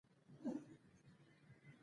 اشراف له ژیړې نرمې خاورې جوړ شول.